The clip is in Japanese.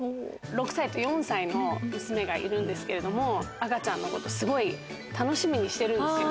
６歳と４歳の娘がいるんですけども、赤ちゃんのこと、すごい楽しみにしてるんですよ。